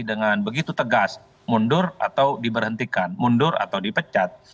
dengan begitu tegas mundur atau diberhentikan mundur atau dipecat